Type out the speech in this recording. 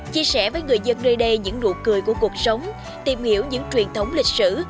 chia sẻ với người dân nơi đây những nụ cười của cuộc sống tìm hiểu những truyền thống lịch sử